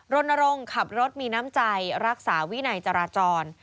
รณรงค์ขับรถมีน้ำใจรักษาวินัยจราจร